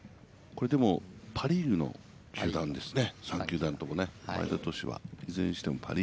でもパ・リーグの３球団ですね。